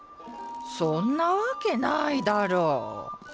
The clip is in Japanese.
そんなわけないだろう。